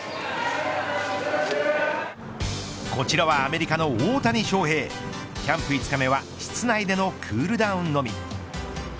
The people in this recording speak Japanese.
こちらはアメリカの大谷翔平キャンプ５日目は室内でのクールダウンのみ。